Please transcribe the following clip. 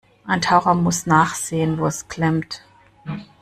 Ein Taucher muss nachsehen, wo es klemmt.